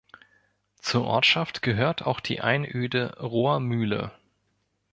Zur Ortschaft gehört auch die Einöde "Rohrmühle".